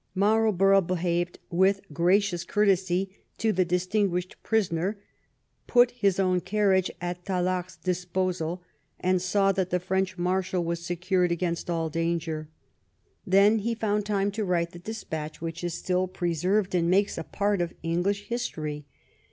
Marlborough be haved with gracious courtesy to the distinguished prisoner, put his own carriage at Tallard's disposal, and saw that the French marshal was secured against all danger. Then he found time to write the despatch which is still preserved and makes a part of English history.